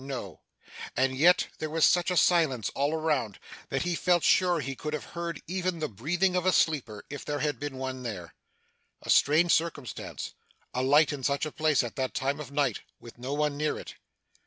No. And yet there was such a silence all around, that he felt sure he could have heard even the breathing of a sleeper, if there had been one there. A strange circumstance, a light in such a place at that time of night, with no one near it.